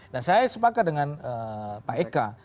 dan saya sepakat dengan pak eka